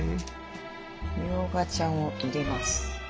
みょうがちゃんを入れます。